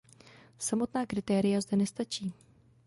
Samotná kritéria zde nestačí.